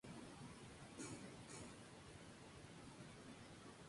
Había sin duda útiles sobre lasca pero son más escasos.